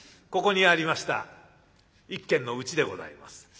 ここにありました一軒のうちでございます。